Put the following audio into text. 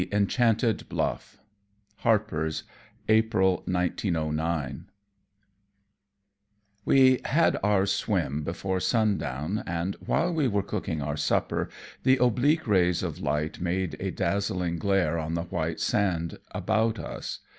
McClure's, March 1907 The Enchanted Bluff We had our swim before sundown, and while we were cooking our supper the oblique rays of light made a dazzling glare on the white sand about us.